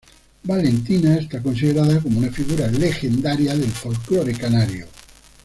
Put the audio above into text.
Valentina está considerada como una figura legendaria del folclore canario.